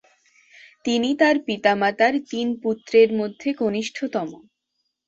তিনি তার পিতামাতার তিন পুত্রের মধ্যে কনিষ্ঠতম।